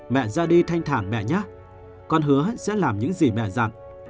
mẹ ra đi thanh thản mẹ nhé con hứa sẽ làm những gì mẹ dặn